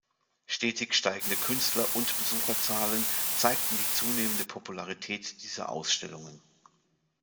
Stetig steigende Künstler- und Besucherzahlen zeigten die zunehmende Popularität dieser Ausstellungen.